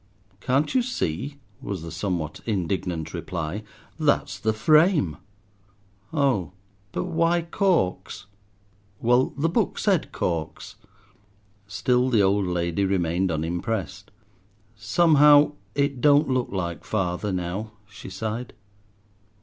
"Can't you see," was the somewhat indignant reply, "that's the frame." "Oh! but why corks?" "Well, the book said corks." Still the old lady remained unimpressed. "Somehow it don't look like father now," she sighed.